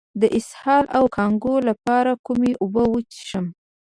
د اسهال او کانګو لپاره کومې اوبه وڅښم؟